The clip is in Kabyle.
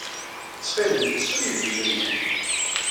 Ttxil-m, ssu-iyi-d usu-inu.